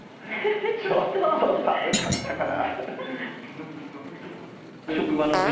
ちょっと寒かったかな。